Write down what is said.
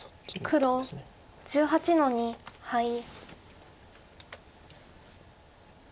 黒１８の二ハイ。